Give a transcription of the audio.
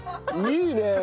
いいね！